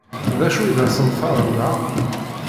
D acu i d asenfaṛ-nneɣ?